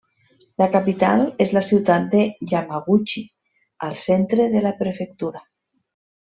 La capital és la ciutat de Yamaguchi al centre de la prefectura.